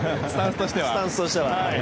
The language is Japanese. スタンスとしては。